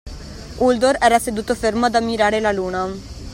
Uldor era seduto fermo ad ammirare la luna.